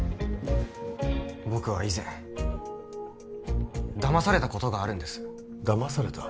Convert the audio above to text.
僕は以前だまされたことがあるんですだまされた？